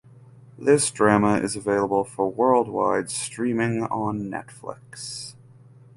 This drama is available for worldwide streaming on Netflix.